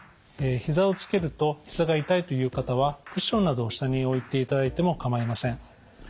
ひざをつけるとひざが痛いという方はクッションなどを下に置いていただいてもかまいません。